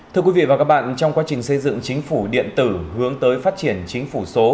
thưa quý vị và các bạn trong quá trình xây dựng chính phủ điện tử hướng tới phát triển chính phủ số